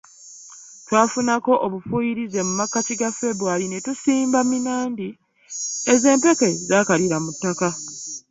Twafunako obufuuyirize mu makkati ga February ne tusimba ku minnandi, ezo empeke zaakalira mu ttaka.